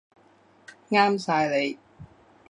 啱晒你